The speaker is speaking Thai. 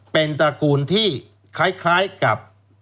เป็นตระกูลที่คล้ายกับ